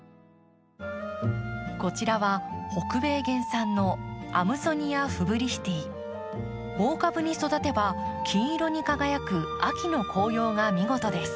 こちらは北米原産の大株に育てば金色に輝く秋の黄葉が見事です。